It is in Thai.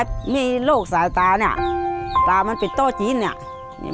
ถ้ามีโรคสายตาเนี่ยตามันเป็นโต้จีนเนี่ย